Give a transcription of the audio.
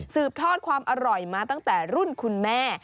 ทอดความอร่อยมาตั้งแต่รุ่นคุณแม่